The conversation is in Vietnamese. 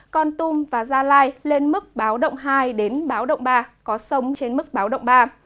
con tum và gia lai lên mức báo động hai đến báo động ba có sông trên mức báo động ba